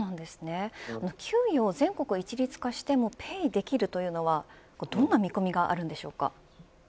給与を全国一律化してもペイできるというのはどんな見込みがあるんでしょうか。